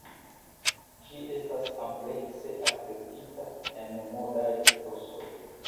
Ĝi estas amplekse akceptita en modaj etosoj.